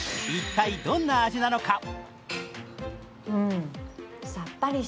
一体、どんな味なのか？